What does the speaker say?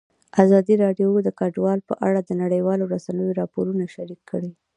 ازادي راډیو د کډوال په اړه د نړیوالو رسنیو راپورونه شریک کړي.